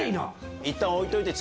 いったん置いといて。